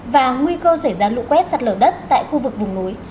và nguy cơ xảy ra lũ quét sạt lở đất tại khu vực vùng núi